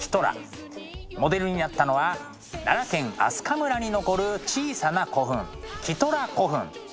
モデルになったのは奈良県明日香村に残る小さな古墳キトラ古墳。